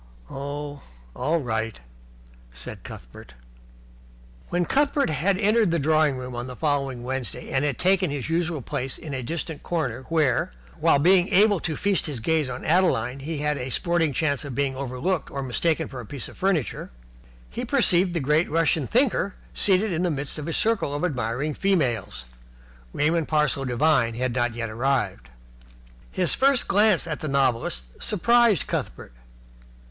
"Oh, all right," said Cuthbert. When Cuthbert had entered the drawing room on the following Wednesday and had taken his usual place in a distant corner where, while able to feast his gaze on Adeline, he had a sporting chance of being overlooked or mistaken for a piece of furniture, he perceived the great Russian thinker seated in the midst of a circle of admiring females. Raymond Parsloe Devine had not yet arrived. His first glance at the novelist surprised Cuthbert.